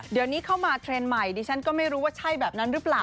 เดี๋ยวนี้เข้ามาเทรนด์ใหม่ดิฉันก็ไม่รู้ว่าใช่แบบนั้นหรือเปล่า